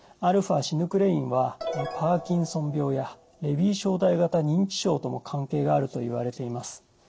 αシヌクレインはパーキンソン病やレビー小体型認知症とも関係があるといわれています。